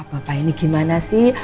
bapak ini gimana sih